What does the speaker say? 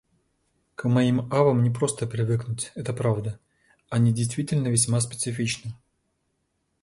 К моим авам не просто привыкнуть, это правда. Они действительно весьма специфичны.